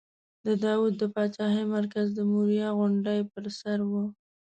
د داود د پاچاهۍ مرکز د موریا غونډۍ پر سر و.